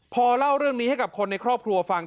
พอเล่าเรื่องนี้ให้กับคนในครอบครัวฟัง